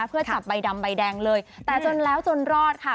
เพื่อจับใบดำใบแดงเลยแต่จนแล้วจนรอดค่ะ